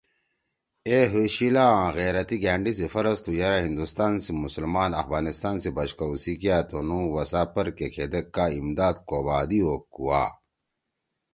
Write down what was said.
اے حی شیِلا آں غیرتی گھأنڈی سی فرض تُھو یرأ ہندوستان سی مسلمان افغانستان سی بچ کؤ سی کیا تنُو وسا پرکےکھیدیک کا امداد کوبھادیو کُوا